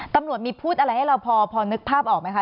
ตำรวจมีพูดอะไรให้เราพอนึกภาพออกไหมคะ